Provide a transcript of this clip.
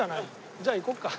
じゃあ行こうか。